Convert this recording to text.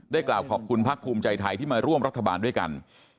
กล่าวขอบคุณพักภูมิใจไทยที่มาร่วมรัฐบาลด้วยกัน